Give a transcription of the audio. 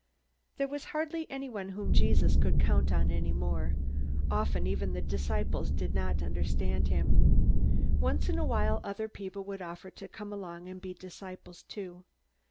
There was hardly anyone whom Jesus could count on any more. Often even the disciples did not understand him. Once in a while other people would offer to come along and be disciples too.